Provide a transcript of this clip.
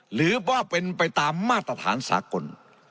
หรือว่าเป็นไปตามมาตรฐานสากล